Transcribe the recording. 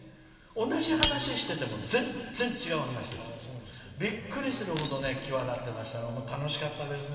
同じ話してても全然、違う話ですよ。びっくりするほど際立って楽しかったですね。